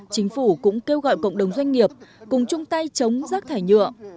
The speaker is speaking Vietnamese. chính phủ cũng kêu gọi cộng đồng doanh nghiệp cùng chung tay chống rác thải nhựa